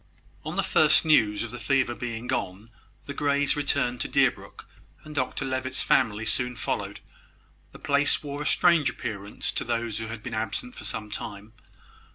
On the first news of the fever being gone, the Greys returned to Deerbrook, and Dr Levitt's family soon followed. The place wore a strange appearance to those who had been absent for some time.